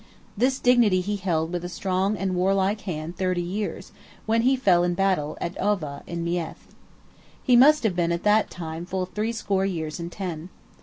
This dignity he held with a strong and warlike hand thirty years, when he fell in battle, at Ova, in Meath. He must have been at that time full threescore years and ten.